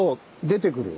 出てくる。